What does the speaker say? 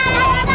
gak ada apa apa